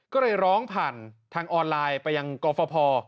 ก็เลยร้องผ่านทางออนไลน์ไปยังกรฟภ